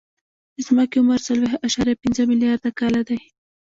د ځمکې عمر څلور اعشاریه پنځه ملیارده کاله دی.